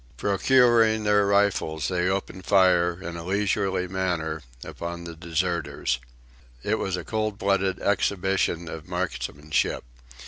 Procuring their rifles, they opened fire in a leisurely manner, upon the deserters. It was a cold blooded exhibition of marksmanship.